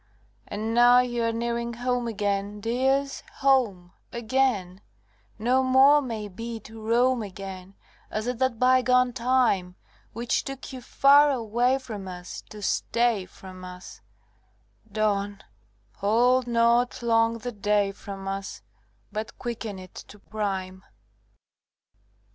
IV And now you are nearing home again, Dears, home again; No more, may be, to roam again As at that bygone time, Which took you far away from us To stay from us; Dawn, hold not long the day from us, But quicken it to prime!